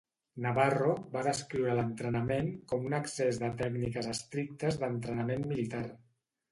Navarro va descriure l'entrenament com un excés de tècniques estrictes d'entrenament militar.